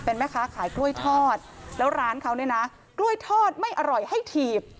เป็นแม่ค้าขายกล้วยทอดแล้วร้านเขาเนี่ยนะกล้วยทอดไม่อร่อยให้ถีบ